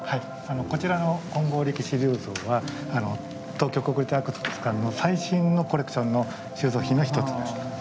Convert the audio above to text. こちらの「金剛力士立像」は東京国立博物館の最新のコレクションの収蔵品の一つです。